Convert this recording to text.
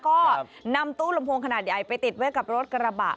ก็นำตู้ลำโพงขนาดใหญ่ไปติดไว้กับรถกระบะ